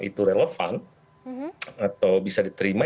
itu relevan atau bisa diterima